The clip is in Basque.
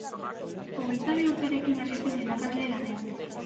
Hogeita bi urterekin hasi zen irakasle lanetan.